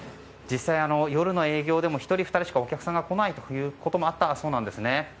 実際夜の営業でも１人２人しかお客さんが来ないことがあったそうなんですね。